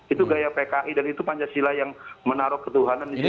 itu gaya pki dan itu pancasila yang menaruh ketuhanan di situ